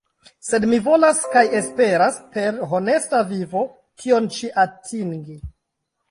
Sed mi volas kaj esperas per honesta vivo tion ĉi atingi.